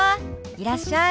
いらっしゃい。